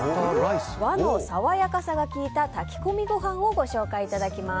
和の爽やかさが効いた炊き込みご飯をご紹介いただきます。